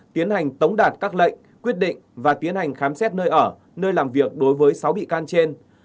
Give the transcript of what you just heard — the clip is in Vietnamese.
tiến hành tống đạt các lệnh quyết định và tiến hành khám xét nơi ở nơi làm việc đối với sáu bị can trên